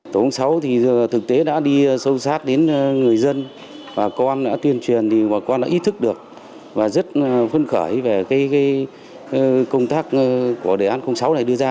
tổ công sáu thì thực tế đã đi sâu sát đến người dân bà con đã tuyên truyền thì bà con đã ý thức được và rất phấn khởi về công tác của đề án sáu này đưa ra